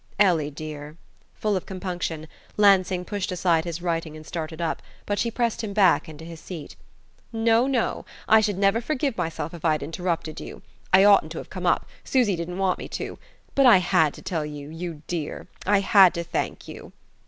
"Ellie, dear!" Full of compunction, Lansing pushed aside his writing and started up; but she pressed him back into his seat. "No, no! I should never forgive myself if I'd interrupted you. I oughtn't to have come up; Susy didn't want me to. But I had to tell you, you dear.... I had to thank you..."